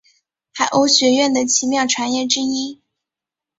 海鸥学园的奇妙传言之一。